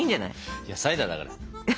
いやサイダーだから。